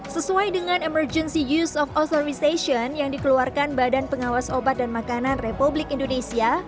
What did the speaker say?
sesuai dengan emergency use of authorization yang dikeluarkan badan pengawas obat dan makanan republik indonesia